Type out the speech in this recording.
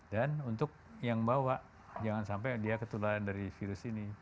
untuk yang bawa jangan sampai dia ketularan dari virus ini